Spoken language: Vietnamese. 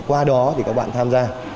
qua đó thì các bạn tham gia